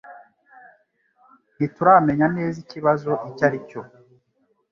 Ntituramenya neza ikibazo icyo ari cyo.